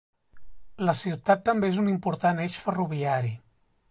La ciutat també és un important eix ferroviari.